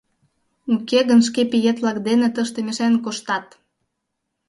Уке гын шке пиет-влак дене тыште мешаен коштат!